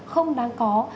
không đáng có